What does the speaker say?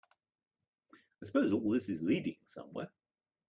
I suppose all this is leading somewhere?